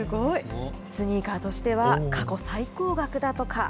スニーカーとしては過去最高額だとか。